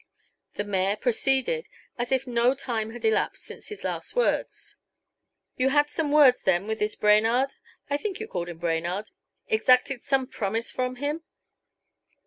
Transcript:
The mayor proceeded as if no time had elapsed since his last words. "You had some words then with this Brainard I think you called him Brainard exacted some promise from him?"